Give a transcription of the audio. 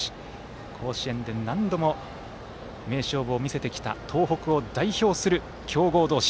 甲子園で何度も名勝負を見せてきた東北を代表する強豪同士。